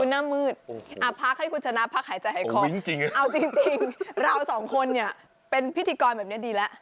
อ๋อหน้ามืดเหรอคุณหน้ามืด